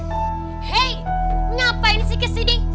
hei ngapain sih ke sini